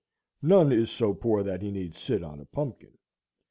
None is so poor that he need sit on a pumpkin.